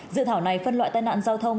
dự thảo này phân loại tai nạn giao thông